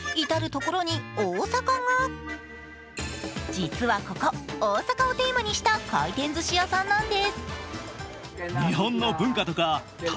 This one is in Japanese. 実はここ、大阪をテーマにした回転ずし屋さんなんです。